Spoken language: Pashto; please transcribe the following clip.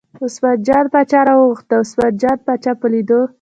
عثمان جان باچا راواوښت، د عثمان جان باچا په لیدو.